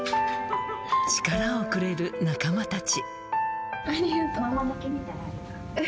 力をくれる仲間たち。